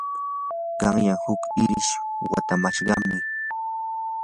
qanyan huk irish watkamashqam.